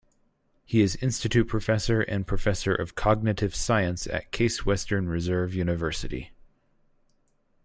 He is Institute Professor and Professor of Cognitive Science at Case Western Reserve University.